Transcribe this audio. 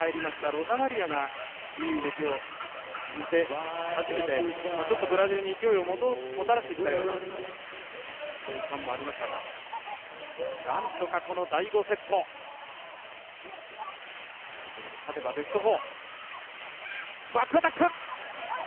ロザマリアがいい動きを見せ始めてちょっとブラジルに勢いをもたらしてきたような感もありましたがなんとかこの第５セットブラジルに勝てばベスト４。